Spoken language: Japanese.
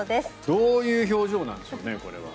どういう表情なんでしょうね。